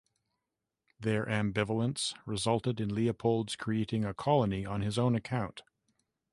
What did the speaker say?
Their ambivalence resulted in Leopold's creating a colony on his own account.